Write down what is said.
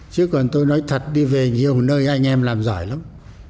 chứ còn tôi nói thật đi về nhiều nơi anh em làm giỏi lắm